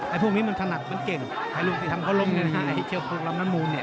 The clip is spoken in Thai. ไอ้พวกนี้มันถนักเครื่องเก่งไอ้ลูกที่ทำเขาล้มกันให้เชื่อพวกลำน้ำมูลเนี่ย